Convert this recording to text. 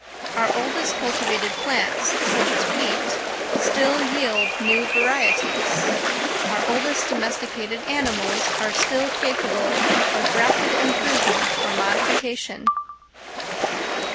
Our oldest cultivated plants, such as wheat, still yield new varieties: our oldest domesticated animals are still capable of rapid improvement or modification.